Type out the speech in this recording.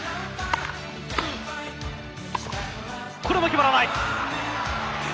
これも決まらない。